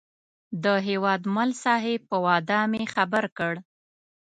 د هیوادمل صاحب په وعده مې خبر کړ.